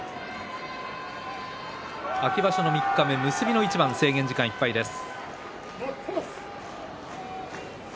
秋場所の三日目結びの一番制限時間いっぱいです。